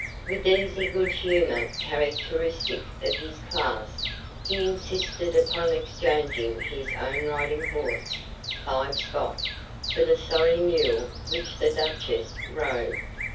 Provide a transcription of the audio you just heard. With the easy good humor characteristic of his class, he insisted upon exchanging his own riding horse, "Five Spot," for the sorry mule which the Duchess rode.